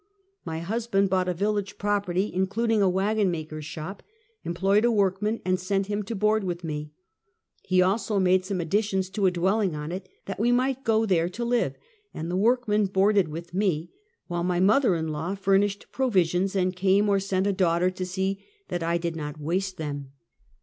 My husband bought a village property, in cluding a wagon maker's shop, employed a workman and sent him to board with me. He also made some additions to a dwelling on it, that we might go there to live, and the workmen boarded with me, while my mother in law furnished provisions and came or sent a daughter to see that I did not waste them.